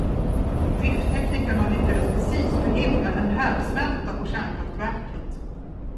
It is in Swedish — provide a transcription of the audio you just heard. Driftteknikerna lyckades precis förhindra en härdsmälta på kärnkraftverket.